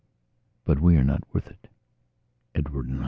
"But we are not worth itEdward and I."